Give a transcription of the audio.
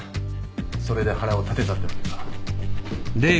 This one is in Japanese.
それで腹を立てたってわけか。